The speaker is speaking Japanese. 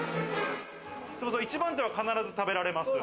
一番手は必ず食べられます。